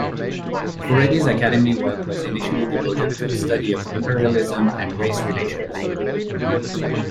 Furedi's academic work was initially devoted to a study of imperialism and race relations.